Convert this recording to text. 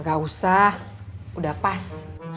gak usah udah pas